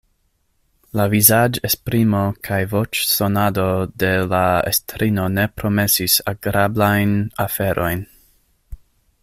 La vizaĝesprimo kaj voĉsonado de la estrino ne promesis agrablajn aferojn.